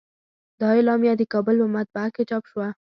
دا اعلامیه د کابل په مطبعه کې چاپ شوه.